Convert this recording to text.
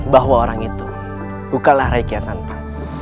bahwa orang itu bukanlah rai kiyasanta